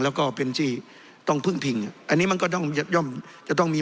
แล้วก็เป็นที่ต้องพึ่งพิงอ่ะอันนี้มันก็ต้องย่อมจะต้องมี